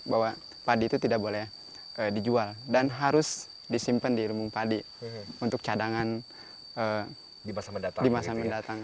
bahwa padi itu tidak boleh dijual dan harus disimpan di rumah padi untuk cadangan di masa mendatang